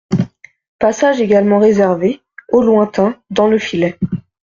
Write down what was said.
Passage également réservé, au lointain, dans le filet.